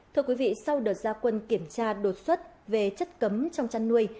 thưa quý vị sau đợt gia quân kiểm tra đột xuất về chất cấm trong chăn nuôi